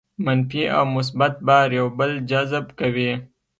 منفي او مثبت بار یو بل جذب کوي.